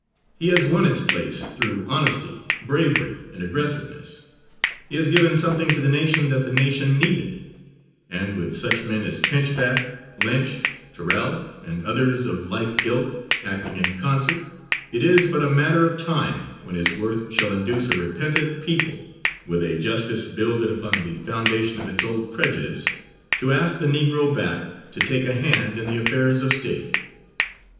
He has won his place through honesty, bravery and aggressiveness. He has given something to the nation that the nation needed, and with such men as Pinchback, Lynch, Terrell and others of like ilk, acting in concert, it is but a matter of time when his worth shall induce a repentant people, with a justice builded upon the foundation of its old prejudice, to ask the Negro back to take a hand in the affairs of state.